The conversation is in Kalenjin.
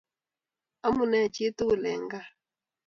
Amunee chi tugul eng' kaa?